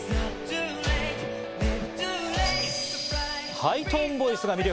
ハイトーンボイスが魅力。